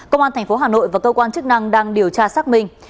công an tp hà nội và cơ quan chức năng đang điều tra xác minh